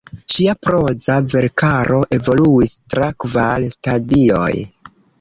Ŝia proza verkaro evoluis tra kvar stadioj.